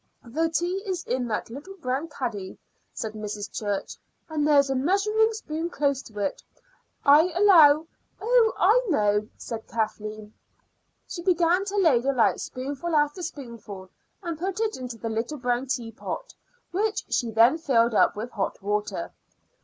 "The tea is in that little brown caddy," said Mrs. Church, "and there's a measuring spoon close to it. I allow " "Oh, I know," said Kathleen. She began to ladle out spoonful after spoonful and put it into the little brown teapot, which she then filled up with hot water.